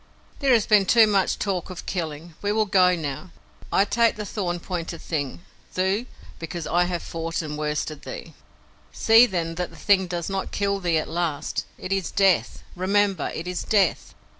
"There has been too much talk of killing. We will go now. I take the thorn pointed thing, Thuu, because I have fought and worsted thee." "See, then, that the thing does not kill thee at last. It is Death! Remember, it is Death!